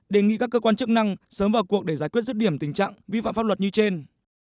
đề nghị các cơ quan chức năng sớm vào cuộc để giải quyết rứt điểm tình trạng vi phạm pháp luật như trên